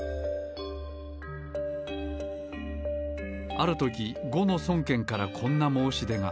ある時呉の孫権からこんな申し出が。